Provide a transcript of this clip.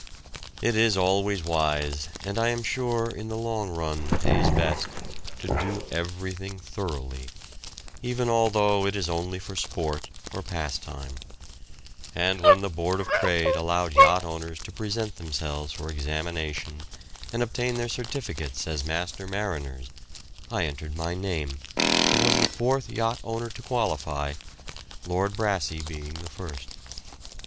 It is always wise, and I am sure in the long run pays best, to do everything thoroughly, even although it is only for sport or pastime; and when the Board of Trade allowed yacht owners to present themselves for examination and obtain their certificates as master mariners, I entered my name, and was the fourth yacht owner to qualify, Lord Brassey being the first.